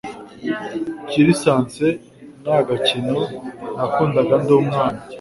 Kirisense naga kino nakundaga ndumwana